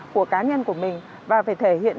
của cá nhân của mình và phải thể hiện